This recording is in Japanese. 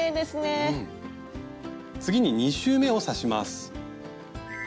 次に２周めを刺します。